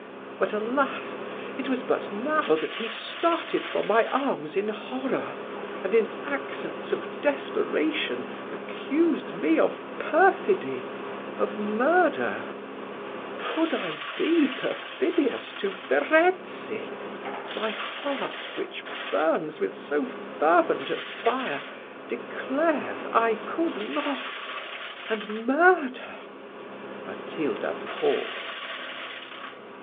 But, alas! it was but now that he started from my arms in horror, and, in accents of desperation, accused me of perfidy of murder. Could I be perfidious to Verezzi, my heart, which burns with so fervent a fire, declares I could not, and murder " Matilda paused.